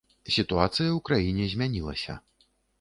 Сітуацыя ў краіне змянілася.